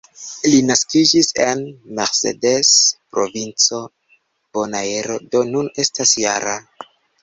Li naskiĝis en "Mercedes", provinco Bonaero, do nun estas -jara.